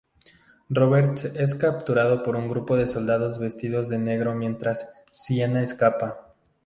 Robert es capturado por un grupo de soldados vestidos de negro mientras Sienna escapa.